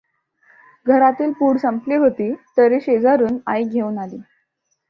घरातील पूड संपली होती; तरी शेजारून आई घेऊन आली.